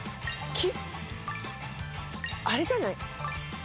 あれじゃない？